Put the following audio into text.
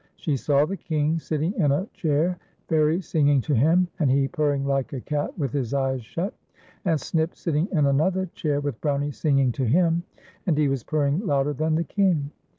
She saw the King sitting in a chair, Fairie singing to him, and he purring Hke a cat with his e}'es shut, and Snip sitting in another chair with Brownie singing to him, and he was purring louder than the King.